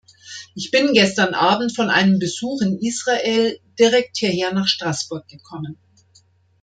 Ich bin gestern Abend von einem Besuch in Israel direkt hierher nach Straßburg gekommen.